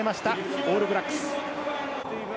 オールブラックス。